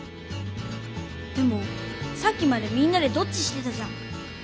でもさっきまでみんなでドッジしてたじゃん。